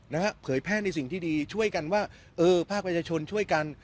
เผยแพร่ในสิ่งที่ดีช่วยกันว่าเออภาคประชาชนช่วยกัน